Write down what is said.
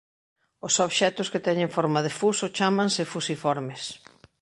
Os obxectos que teñen forma de fuso chámanse fusiformes.